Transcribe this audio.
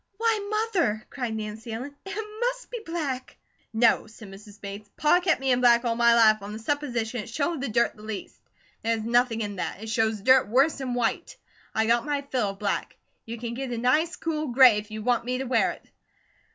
"Why, Mother!" cried Nancy Ellen "it must be black!" "No," said Mrs. Bates. "Pa kept me in black all my life on the supposition it showed the dirt the least. There's nothing in that. It shows dirt worse 'an white. I got my fill of black. You can get a nice cool gray, if you want me to wear it."